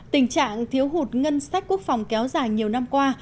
tình trạng thiếu hụt ngân sách quốc phòng kéo dài nhiều năm qua